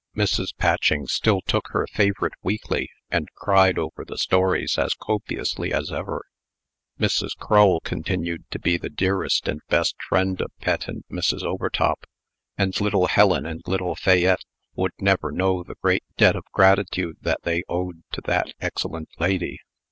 Mrs. Patching still took her favorite weekly, and cried over the stories as copiously as ever. Mrs. Crull continued to be the dearest and best friend of Pet and Mrs. Overtop; and little Helen and little Fayette would never know the great debt of gratitude that they owed to that excellent lady.